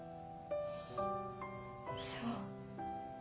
そう。